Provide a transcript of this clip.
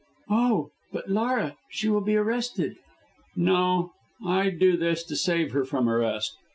"Oh! but, Laura; she will be arrested." "No! I do this to save her from arrest.